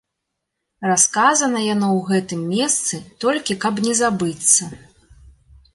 Расказана яно ў гэтым месцы, толькі каб не забыцца.